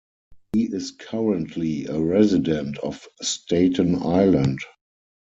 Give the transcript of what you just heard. He is currently a resident of Staten Island.